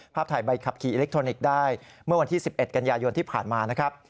ถ่ายใบขับขี่อิเล็กทรอนิกส์ได้เมื่อวันที่๑๑กันยายนที่ผ่านมานะครับ